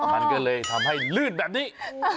มันก็เลยทำให้ลื่นแบบนี้